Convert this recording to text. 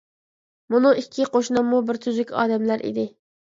مۇنۇ ئىككى قوشناممۇ بىر تۈزۈك ئادەملەر ئىدى.